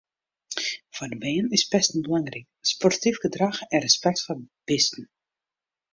Foar de bern is pesten belangryk, sportyf gedrach en respekt foar bisten.